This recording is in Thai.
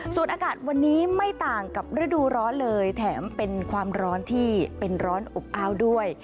ส่วนอากาศวันนี้ไม่ต่างกับฤดูร้อนเลยแถมเป็นความร้อนที่เป็นร้อนอบอ้าวด้วย